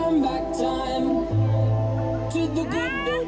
มา